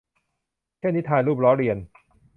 เช่น นิทาน รูปล้อเลียน